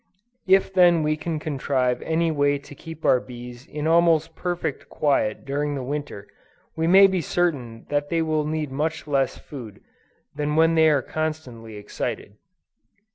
If then we can contrive any way to keep our bees in almost perfect quiet during the Winter, we may be certain that they will need much less food than when they are constantly excited.